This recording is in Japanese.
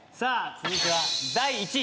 続いては第１位。